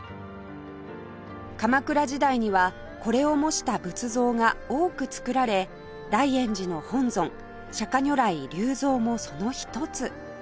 鎌倉時代にはこれを模した仏像が多く作られ大圓寺の本尊釈如来立像もその一つ